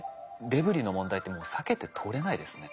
デブリの問題ってもう避けて通れないですね。